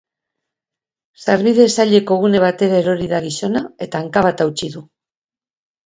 Sarbide zaileko gune batera erori da gizona, eta hanka bat hautsi du.